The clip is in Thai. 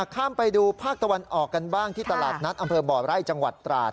ข้ามไปดูภาคตะวันออกกันบ้างที่ตลาดนัดอำเภอบ่อไร่จังหวัดตราด